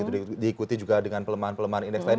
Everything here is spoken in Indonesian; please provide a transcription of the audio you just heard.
diikuti juga dengan pelemahan pelemahan indeks lain